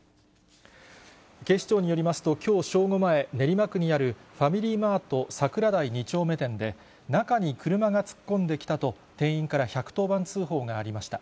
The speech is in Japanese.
警視庁によりますと、きょう正午前、練馬区にあるファミリーマート桜台２丁目店で、中に車が突っ込んできたと、店員から１１０番通報がありました。